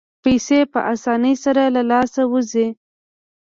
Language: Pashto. پیسې په اسانۍ سره له لاسه وځي.